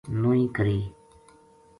نوئی کری